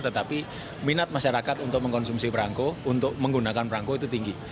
tetapi minat masyarakat untuk mengkonsumsi perangko untuk menggunakan perangko itu tinggi